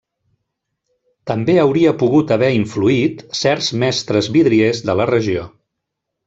També hauria pogut haver influït certs mestres vidriers de la regió.